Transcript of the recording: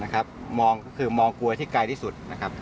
ก็คือมองกรวยที่ไกลที่สุด